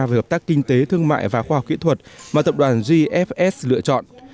về hợp tác kinh tế thương mại và khoa học kỹ thuật mà tập đoàn gfs lựa chọn